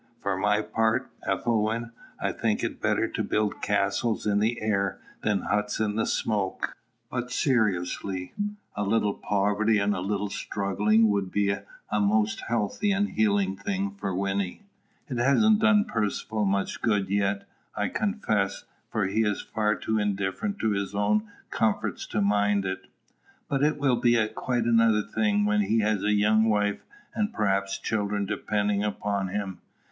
_ For my part, Ethelwyn, I think it better to build castles in the air than huts in the smoke. But seriously, a little poverty and a little struggling would be a most healthy and healing thing for Wynnie. It hasn't done Percivale much good yet, I confess; for he is far too indifferent to his own comforts to mind it: but it will be quite another thing when he has a young wife and perhaps children depending upon him.